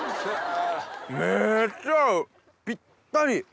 ぴったり。